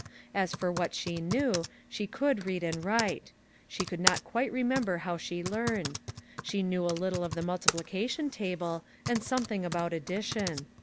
As for what she knew, she could read and write. She could not quite remember how she learned. She knew a little of the multiplication table, and something about addition.